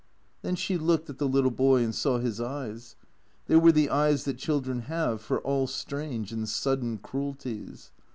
Tlien she looked at tlie little boy and saw his eyes. They were the eyes that children have for all strange and sudden cruelties.